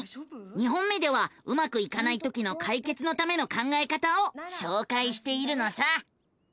２本目ではうまくいかないときの解決のための考えた方をしょうかいしているのさ。